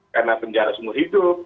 karena penjara semua hidup